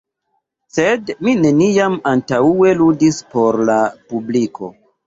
Sed mi neniam antaŭe ludis por la publiko.